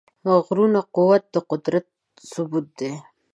د غرونو قوت د قدرت ثبوت دی.